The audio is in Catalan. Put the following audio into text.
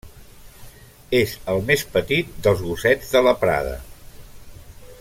És el més petit dels gossets de la prada.